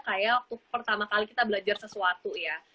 kayak waktu pertama kali kita belajar sesuatu ya